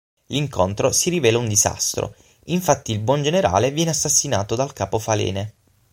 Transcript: L'incontro si rivela un disastro, infatti il buon generale viene assassinato dal capo falene.